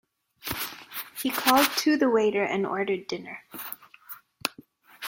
He called to the waiter and ordered dinner.